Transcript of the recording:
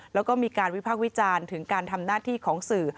แล้วก็มีการวิพากษ์วิจารณ์ถึงการทำหน้าที่ของสื่อ